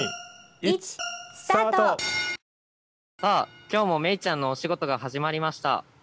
さあ今日も芽衣ちゃんのお仕事が始まりました。